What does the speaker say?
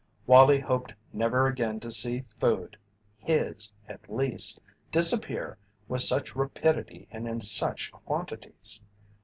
Wallie hoped never again to see food his, at least disappear with such rapidity and in such quantities.